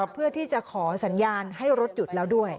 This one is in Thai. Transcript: เพื่อที่จะขอสัญญาณให้รถหยุดแล้วด้วย